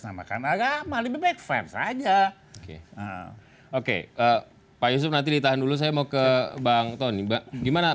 tentang agama lebih mebelem saja oke okeen nanti ditahan dulu saya mau ke bang doesn't gimana